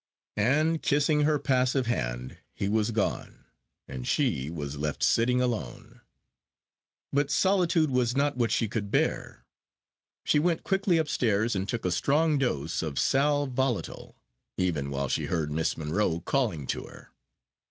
And kissing her passive hand, he was gone and she was left sitting alone. But solitude was not what she could bear. She went quickly upstairs, and took a strong dose of sal volatile, even while she heard Miss Monro calling to her.